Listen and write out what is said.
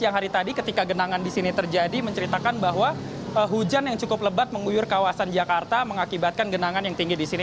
yang hari tadi ketika genangan di sini terjadi menceritakan bahwa hujan yang cukup lebat mengguyur kawasan jakarta mengakibatkan genangan yang tinggi di sini